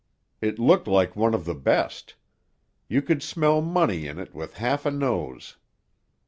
"It looked like one of the best. You could smell money in it with half a nose.